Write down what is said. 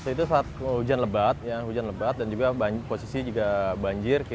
itu saat hujan lebat dan posisi juga banjir